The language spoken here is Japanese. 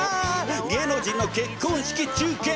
芸能人の結婚式中継！